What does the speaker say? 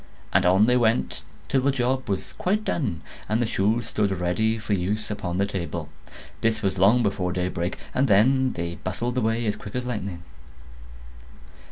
And on they went, till the job was quite done, and the shoes stood ready for use upon the table. This was long before daybreak; and then they bustled away as quick as lightning.